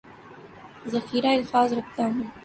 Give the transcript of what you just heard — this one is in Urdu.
ذخیرہ الفاظ رکھتا ہوں